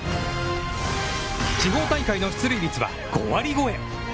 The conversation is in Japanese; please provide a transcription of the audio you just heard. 地方大会の出塁率は５割超え。